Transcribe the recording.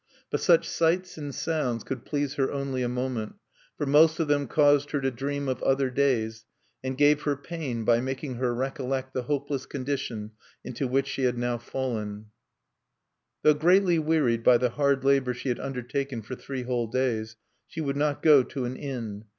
But such sights and sounds could please her only a moment; for most of them caused her to dream of other days, and gave her pain by making her recollect the hopeless condition into which she had now fallen. (1) Hibari, a species of field lark; shijugara, a kind of titmouse. Though greatly wearied by the hard labor she had undertaken for three whole days, she would not go to an inn.